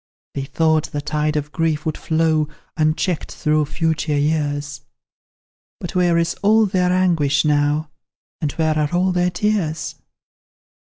They thought the tide of grief would flow Unchecked through future years; But where is all their anguish now, And where are all their tears?